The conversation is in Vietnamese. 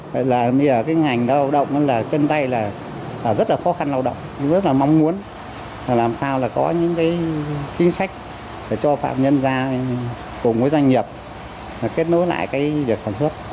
vậy là ngành lao động chân tay rất là khó khăn lao động rất là mong muốn làm sao có những chính sách cho phạm nhân ra cùng với doanh nghiệp kết nối lại việc sản xuất